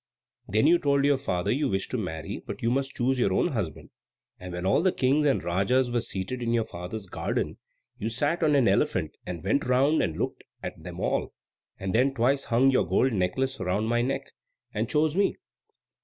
Then you told your father you wished to marry, but must choose your own husband; and when all the Kings and Rajas were seated in your father's garden, you sat on an elephant and went round and looked at them all; and then twice hung your gold necklace round my neck, and chose me.